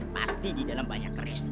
pasti di dalam banyak keris